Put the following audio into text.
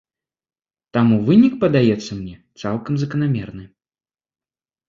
Таму вынік падаецца мне цалкам заканамерным.